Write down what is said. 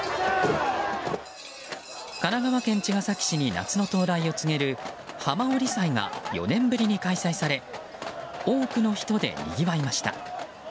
神奈川茅ヶ崎市に夏の到来を告げる浜降祭が、４年ぶりに開催され多くの人でにぎわいました。